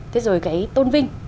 thế rồi cái tôn vinh